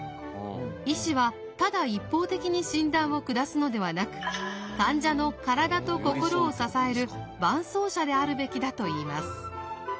医師はただ一方的に診断を下すのではなく患者の体と心を支える伴走者であるべきだといいます。